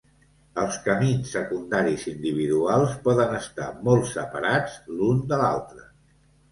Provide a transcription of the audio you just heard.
Els camins secundaris individuals poden estar molt separats l'un de l'altre.